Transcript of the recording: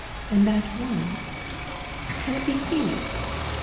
And that one? can it be he?"